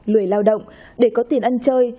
lười lao động để có tiền ăn chơi